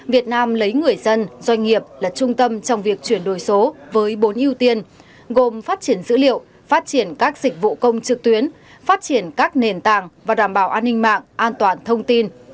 việt nam lấy người dân doanh nghiệp là trung tâm trong việc chuyển đổi số với bốn ưu tiên gồm phát triển dữ liệu phát triển các dịch vụ công trực tuyến phát triển các nền tảng và đảm bảo an ninh mạng an toàn thông tin